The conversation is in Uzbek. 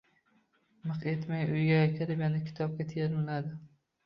Miq etmay uyiga kirib yana kitobga termiladi.